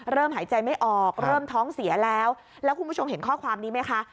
หายใจไม่ออกเริ่มท้องเสียแล้วแล้วคุณผู้ชมเห็นข้อความนี้ไหมคะ